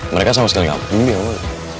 mereka sama sekali gak peduli sama putri